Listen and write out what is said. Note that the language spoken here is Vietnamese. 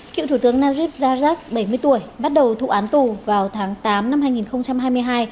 cựu thủ tướng najib jarjak bảy mươi tuổi bắt đầu thụ án tù vào tháng tám năm hai nghìn hai mươi hai